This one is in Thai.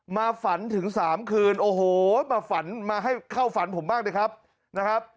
ฝันถึง๓คืนโอ้โหมาฝันมาให้เข้าฝันผมบ้างนะครับ